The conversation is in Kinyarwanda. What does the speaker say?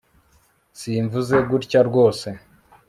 simvuze gutya rwose